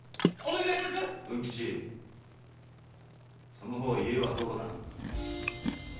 その方家はどこだ？